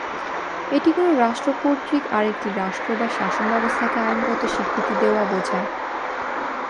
এটি কোনো রাষ্ট্র কর্তৃক আরেকটি রাষ্ট্র বা শাসন ব্যবস্থাকে আইনগত স্বীকৃতি দেওয়া বোঝায়।